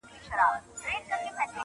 o گامېښه د گل په بوی څه پوهېږي٫